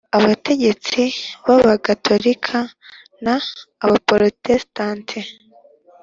Abategetsi b abagatolika n abaporotesitanti